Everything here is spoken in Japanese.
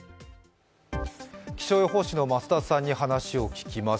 気象予報士の増田さんに話を聞きます。